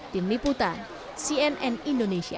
tim liputan cnn indonesia